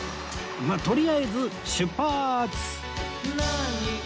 まっとりあえず出発！